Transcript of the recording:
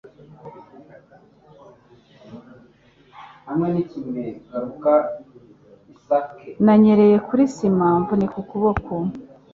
Nanyereye kuri sima mvunika akaboko.